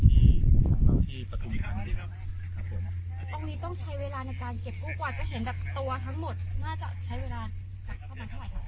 ตรงนี้ต้องใช้เวลาในการเก็บกู้กว่าจะเห็นตัวทั้งหมดน่าจะใช้เวลาเท่าไหร่ครับ